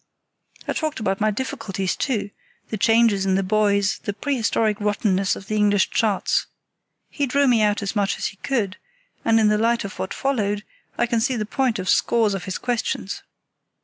I talked about my difficulties, too; the changes in the buoys, the prehistoric rottenness of the English charts. He drew me out as much as he could, and in the light of what followed I can see the point of scores of his questions.